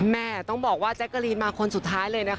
แม่ต้องบอกว่าแจ๊กกะรีนมาคนสุดท้ายเลยนะคะ